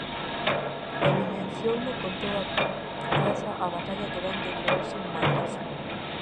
Evidenciouno con toda crueza a batalla que vén de librarse en Madrid.